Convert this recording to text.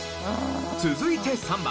続いて３番。